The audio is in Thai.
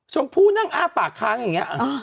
ชมพู้นั่งอ้าปากค้างแบบนี้